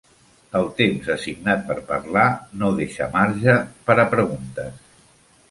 El temps assignat per parlar no deixa marge per a preguntes.